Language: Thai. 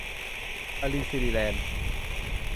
อรินสิริ แลนด์